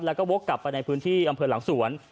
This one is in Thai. แล้วก็วกกลับไปในพื้นที่อำเภอหลังสวน